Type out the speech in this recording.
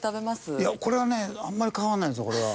いやこれはねあんまり買わないんです俺は。